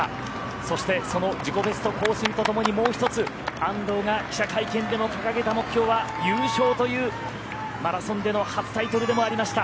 そしてその自己ベスト更新とともにもう１つ安藤が記者会見で掲げた目標は優勝というマラソンでの初タイトルでもありました。